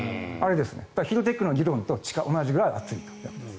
ヒートテックの議論と同じぐらい暑いです。